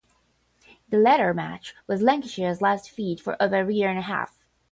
The latter match was Lancashire's last defeat for over a year and a half.